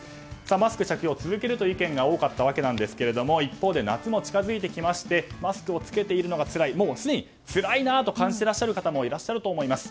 マスク着用続けるという意見が多かったわけですが一方で夏も近づいてきましてマスクを着けているのがつらいすでにつらいなと感じている方もいらっしゃると思います。